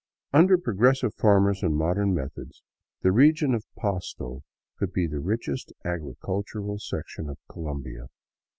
Under progressive farmers and modern methods, the region of Pasto could be the richest agricultural section of Colombia.